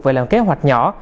về làm kế hoạch nhỏ